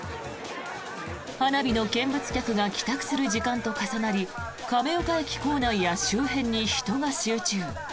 花火の見物客が帰宅する時間と重なり亀岡駅構内や周辺に人が集中。